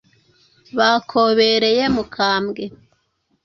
bakobereye mukambwe